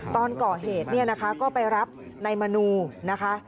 ตอนก่อเหตุเนี่ยนะคะก็ไปรับนายมนูนะคะ